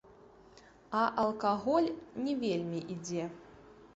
А алкаголь не вельмі ідзе.